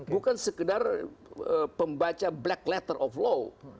bukan sekedar pembaca black letter of law